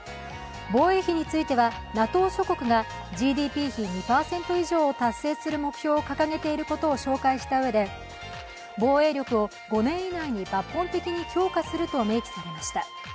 防衛費については、ＮＡＴＯ諸国がＧＤＰ比２％以上を達成する目標を掲げている目標を紹介したうえで防衛力を５年以内に抜本的に強化すると明記されました。